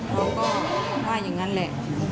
เขาก็ว่าอย่างนั้นแหละ